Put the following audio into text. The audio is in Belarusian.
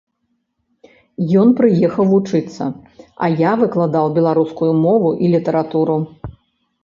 Ён прыехаў вучыцца, а я выкладаў беларускую мову і літаратуру.